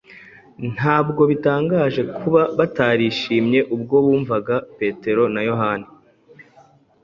Ntabwo bitangaje kuba batarishimye ubwo bumvaga Petero na Yohana